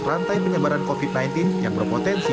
rantai penyebaran covid sembilan belas yang berpotensi